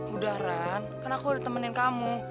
udah ran kan aku udah temenin kamu